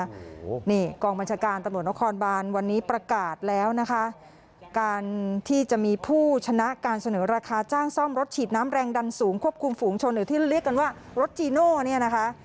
โอ้โหนี่กองบัญชาการตำรวจนครบานวันนี้ประกาศแล้วนะคะการที่จะมีผู้ชนะการเสนอราคาจ้างซ่อมรถฉีดน้ำแรงดันสูงควบคุมฝูงชนหรือที่เรียกกันว่ารถจีโน่เนี่ยนะคะ